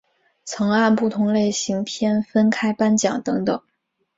曾按不同类型片分开颁奖等等。